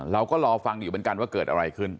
เราก็รอฟังอยู่เหมือนกันว่าเกิดอะไรขึ้น